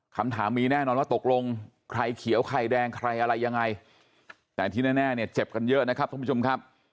คำถามมีแน่นอนว่าตกลงใครเขียวใครแดงใครอะไรยังไงแต่ที่แน่เนี่ยเจ็บกันเยอะนะครับท่านผู้ชมครับ